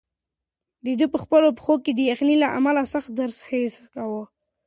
ده په خپلو پښو کې د یخنۍ له امله سخت درد حس کاوه.